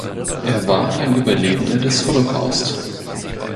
Er war ein Überlebender des Holocaust.